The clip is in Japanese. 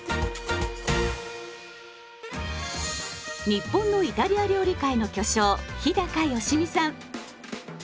日本のイタリア料理界の巨匠日良実さん。